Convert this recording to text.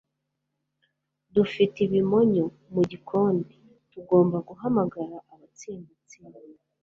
dufite ibimonyo mu gikoni. tugomba guhamagara abatsembatsemba